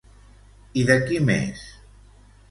I de qui més?